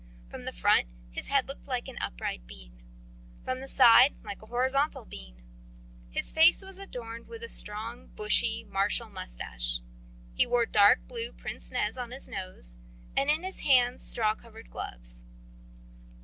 From the front his head looked like an upright bean, from the side like a horizontal bean. His face was adorned with a strong, bushy, martial moustache. He wore dark blue pince nez on his nose, on his hands straw coloured gloves.